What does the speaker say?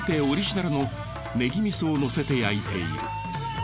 オリジナルのねぎ味噌をのせて焼いている。